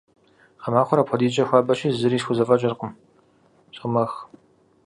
Гъэмахуэр апхуэдизкӀэ хуабэщи, зыри схузэфӀэкӀыркъым, сомэх.